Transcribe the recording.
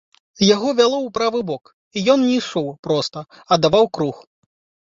Яго вяло ў правы бок, і ён не ішоў проста, а даваў круг.